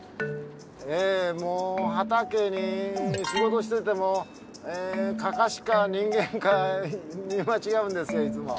ええもう畑に仕事しててもかかしか人間か見間違うんですよいつも。